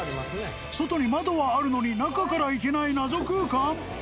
外に窓はあるのに中から行けない謎空間。